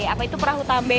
apa itu perahu tambe